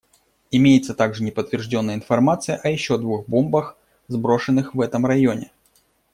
Имеется также неподтвержденная информация о еще двух бомбах, сброшенных в этом районе.